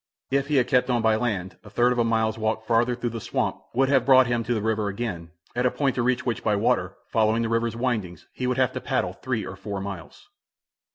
If he had kept on by land, a third of a mile's walk farther through the swamp would have brought him to the river again, at a point to reach which by water, following the river's windings, he would have to paddle three or four miles.